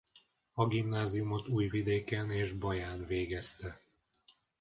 A gimnáziumot Újvidéken és Baján végezte.